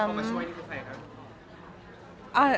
รู้ว่าไม่ได้คนเขามาช่วย